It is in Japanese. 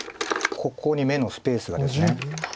ここに眼のスペースがですね。